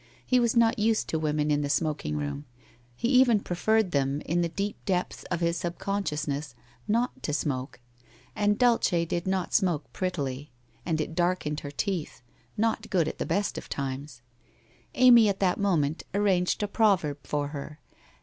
He was not used to women in the smoking room, he even preferred them, in the deep depth of his subconsciousness, not to smoke. And Dulce did not smoke prettily, and it darkened her teeth, not good at the best of times. Amy at that moment arranged a proverb for her.